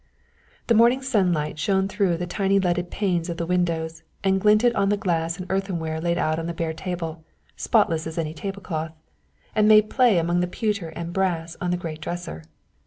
The morning sunlight shone through the tiny leaded panes of the windows, and glinted on the glass and earthenware laid out on the bare table, spotless as any tablecloth, and made play among the pewter and brass on the great dresser.